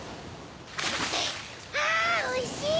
あぁおいしい！